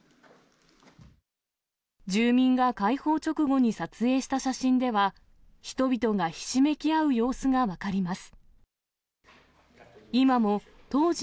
住民が解放直後に撮影した写真では、人々がひしめき合う様子が分かります。